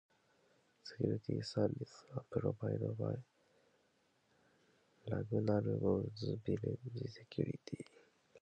Security services are provided by Laguna Woods Village Security.